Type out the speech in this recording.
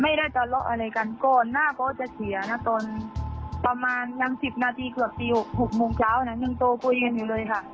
ไม่ได้ตลกอะไรกันหน้าก็จะเสียประมาณยัง๑๐นาทีเกือบ๖โมงเช้านั้นยังโตปุ๊ยกันอยู่เลยค่ะ